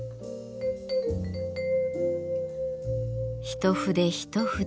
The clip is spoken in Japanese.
一筆一筆